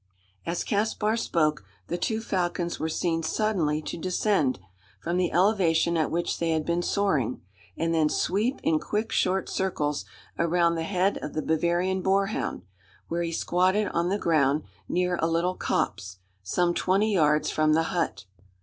As Caspar spoke, the two falcons were seen suddenly to descend from the elevation at which they had been soaring and then sweep in quick short circles around the head of the Bavarian boar hound where he squatted on the ground, near a little copse, some twenty yards from the hut.